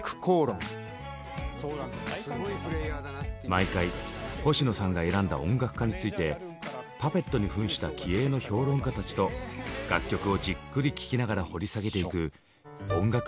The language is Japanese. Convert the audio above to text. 毎回星野さんが選んだ音楽家についてパペットに扮した気鋭の評論家たちと楽曲をじっくり聴きながら掘り下げていく音楽